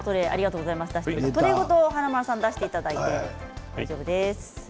トレーごと出していただいて大丈夫です。